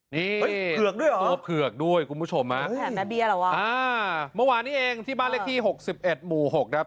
นี่ตัวเผือกด้วยคุณผู้ชมอ่ะมาวานนี้เองที่บ้านเลขที่๖๑หมู่๖นะครับ